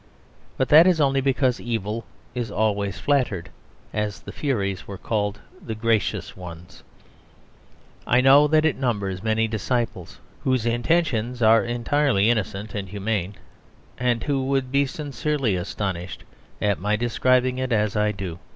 But that is only because evil is always flattered, as the Furies were called "The Gracious Ones." I know that it numbers many disciples whose intentions are entirely innocent and humane; and who would be sincerely astonished at my describing it as I do.